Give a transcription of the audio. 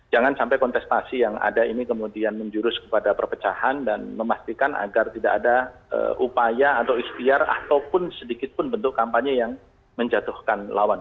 jangan sampai kontestasi yang ada ini kemudian menjurus kepada perpecahan dan memastikan agar tidak ada upaya atau istiar ataupun sedikit pun bentuk kampanye yang menjatuhkan lawan